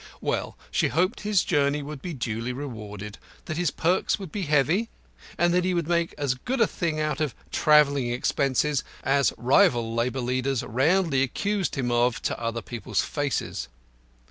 Well, she hoped his journey would be duly rewarded, that his perks would be heavy, and that he would make as good a thing out of the "travelling expenses" as rival labour leaders roundly accused him of to other people's faces.